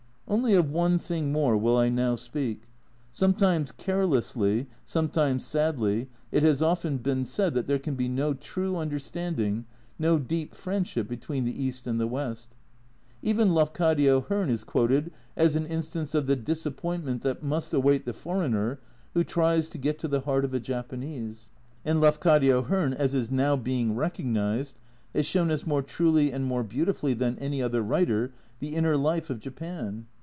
Only of one thing more will I now speak. Some times carelessly, sometimes sadly, it has often been A Journal from Japan 273 said that there can be no true understanding, no deep friendship between the East and the West. Even Lafcadio Hearn is quoted as an instance of the dis appointment that must await the foreigner who tries to get to the heart of a Japanese. And Lafcadio Hearn, as is now being recognised, has shown us more truly and more beautifully than any other writer the inner life of Japan.